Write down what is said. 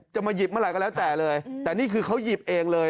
จะมาหยิบเมื่อไหร่ก็แล้วแต่เลยแต่นี่คือเขาหยิบเองเลย